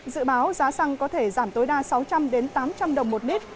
dự báo giá xăng có thể giảm tối đa sáu trăm linh tám trăm linh đồng một lít